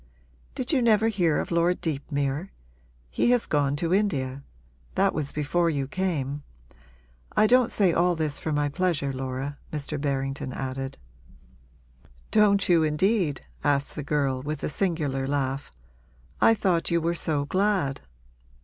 'Did you never hear of Lord Deepmere? He has gone to India. That was before you came. I don't say all this for my pleasure, Laura,' Mr. Berrington added. 'Don't you, indeed?' asked the girl with a singular laugh. 'I thought you were so glad.'